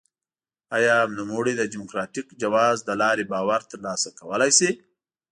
آیا نوموړی د ډیموکراټیک جواز له لارې باور ترلاسه کولای شي؟